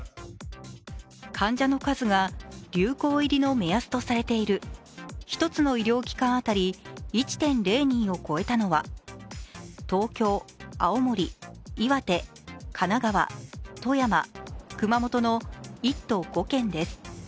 患者の数が流行入りの目安とされている１つの医療機関当たり１．０人を超えたのは東京、青森、岩手、神奈川、富山、熊本の１都５県です。